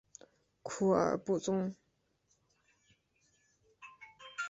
库尔布宗。